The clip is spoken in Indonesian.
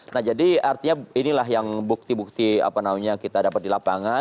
nah jadi artinya inilah yang bukti bukti apa namanya kita dapat di lapangan